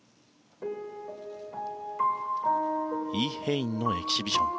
イ・ヘインのエキシビション。